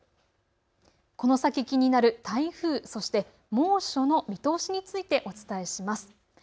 この先、気になる台風、そして猛暑の見通しについてお伝えします。